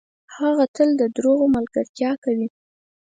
هغه تل ده دروغو ملګرتیا کوي .